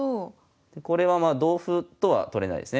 これは同歩とは取れないですね。